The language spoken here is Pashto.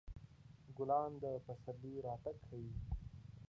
ګلان د پسرلي راتګ ښيي.